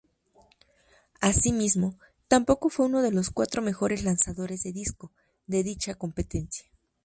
Asimismo, tampoco fue uno de los cuatro mejores lanzadores de disco, de dicha competencia.